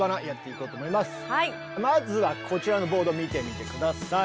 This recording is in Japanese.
まずはこちらのボード見てみて下さい。